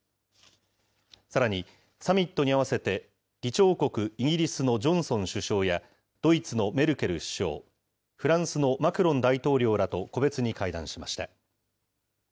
さらに、サミットに合わせて議長国、イギリスのジョンソン首相やドイツのメルケル首相、フランスのマクロン大統領らと個別に会談しました。